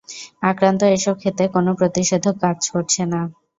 আক্রান্ত এসব খেতে কোনো প্রতিষেধক কাজ করছে না।